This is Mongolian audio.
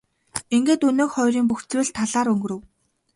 Ингээд өнөөх хоёрын бүх зүйл талаар өнгөрөв.